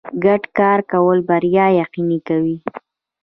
ګډ کار کول بریا یقیني کوي.